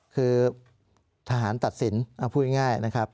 คือทหารตัดสินพูดง่ายนะครับ